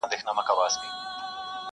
یو نغمه ګره نقاسي کوومه ښه کوومه